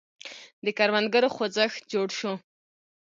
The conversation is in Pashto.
د کروندګرو خوځښت جوړ شو.